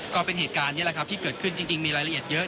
ก็เป็นเหตุการณ์นี้แหละครับที่เกิดขึ้นจริงมีรายละเอียดเยอะ